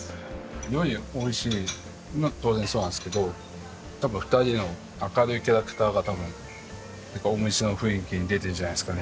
料理が美味しいのは当然そうなんですけど２人の明るいキャラクターが多分お店の雰囲気に出てるんじゃないですかね。